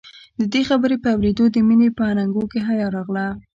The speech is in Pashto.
د دې خبرې په اورېدو د مينې په اننګو کې حيا راغله.